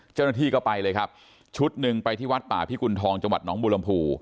เจ้าหน้าที่ก็ไปเลยครับชุดหนึ่งไปที่วัดป่าพิกุณฑองจังหวัดน้องบูรมภู